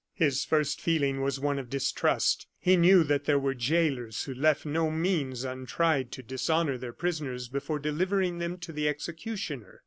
His first feeling was one of distrust. He knew that there were jailers who left no means untried to dishonor their prisoners before delivering them to the executioner.